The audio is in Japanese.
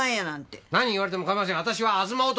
何言われてもかまいませんよ